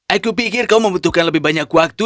aku pikir kau membutuhkan lebih banyak waktu